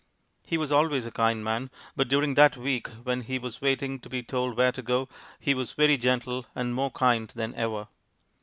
He was always a kind man, but during that week when he was waiting to be told where to go, he was very gentle and more kind than ever.